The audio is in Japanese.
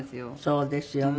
そうですよね。